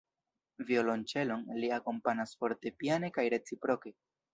Violonĉelon; li akompanas fortepiane kaj reciproke.